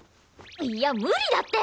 いや無理だって！